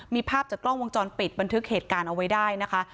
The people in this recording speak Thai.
มีภาพจากกล้องวงจรปิดบันทึกเหตุการณ์เอาไว้ได้นะคะ